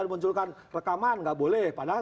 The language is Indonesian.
dimunculkan rekaman nggak boleh padahal